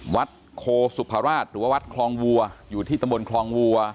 วัดโคสุภาราชหรือว่าวัดคลองวัวอยู่ที่ตำบลคลองวัว